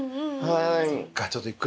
はい。